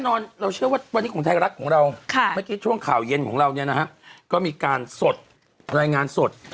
เขาเข้าไปไม่ได้พูดคนเขาเห็นเขาเลยเป็นแม่บ้าน